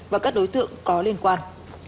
và các đối tượng có liên quan